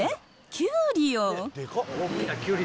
きゅうりよ。